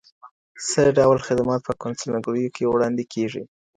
څه ډول خدمات په قونسلګریو کي وړاندي کیږي؟